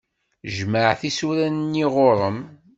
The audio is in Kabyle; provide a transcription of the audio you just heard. Jmeɛ tisura-nni ɣur-m.